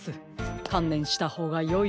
かんねんしたほうがよいのでは？